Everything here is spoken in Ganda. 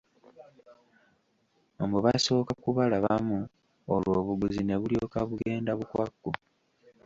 Mbu basooka kubalabamu olwo obuguzi ne bulyoka bugenda bukwakku!